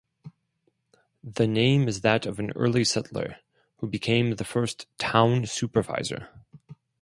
The name is that of an early settler, who became the first Town Supervisor.